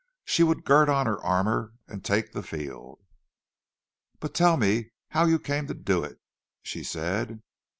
She would gird on her armour and take the field. "But tell me how you came to do it," she said.